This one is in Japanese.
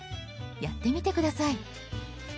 やってみて下さい。